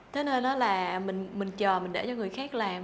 thế nên đó là mình chờ mình để cho người khác làm